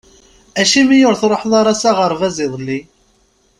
Acimi ur truḥeḍ ara s aɣerbaz iḍelli?